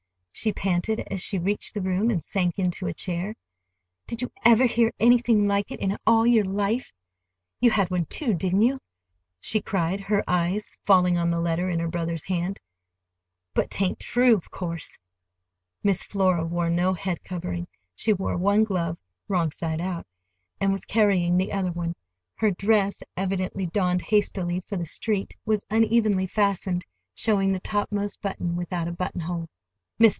she panted, as she reached the room and sank into a chair. "Did you ever hear anything like it in all your life? You had one, too, didn't you?" she cried, her eyes falling on the letter in her brother's hand. "But 'tain't true, of course!" Miss Flora wore no head covering. She wore one glove (wrong side out), and was carrying the other one. Her dress, evidently donned hastily for the street, was unevenly fastened, showing the topmost button without a buttonhole. "Mr.